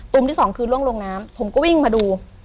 ที่สองคือล่วงลงน้ำผมก็วิ่งมาดู